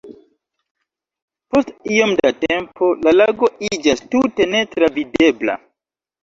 Post iom da tempo, la lago iĝas tute netravidebla.